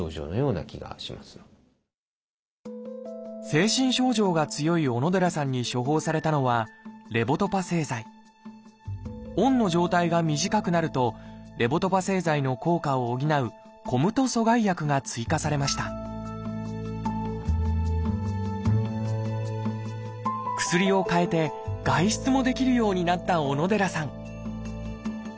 精神症状が強い小野寺さんに処方されたのはオンの状態が短くなるとレボドパ製剤の効果を補う「ＣＯＭＴ阻害薬」が追加されました薬をかえて外出もできるようになった小野寺さん